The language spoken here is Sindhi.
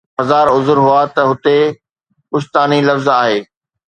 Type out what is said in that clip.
ٻئي طرف هزار عذر هئا ته هتي ڪشتاني لفظ آهي